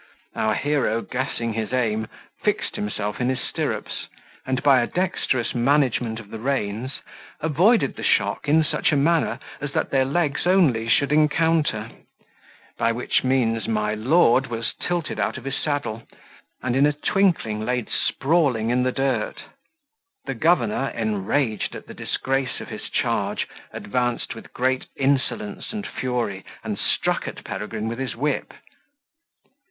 Our hero, guessing his aim, fixed himself in his stirrups, and by a dexterous management of the reins avoided the shock in such a manner as that their legs only should encounter; by which means my lord was tilted out of his saddle, and in a twinkling laid sprawling in the dirt. The governor, enraged at the disgrace of his charge, advanced with great insolence and fury, and struck at Peregrine with his whip.